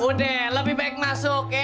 udah lebih baik masuk ya